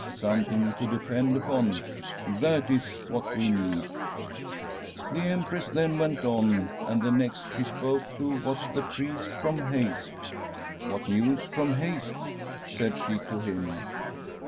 Something to depend upon, that is what \\ e need.' '"The Empress then went on, and the next she spoke to was the priest from Heyst. * What news from Heyst ?' said she to him.